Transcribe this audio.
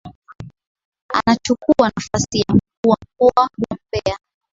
Anachukua nafasi ya Mkuu wa mkoa wa Mbeya